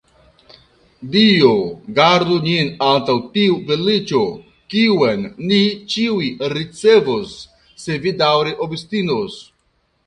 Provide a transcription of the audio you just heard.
Dio gardu nin antaŭ tiu feliĉo, kiun ni ĉiuj ricevos, se vi daŭre obstinos.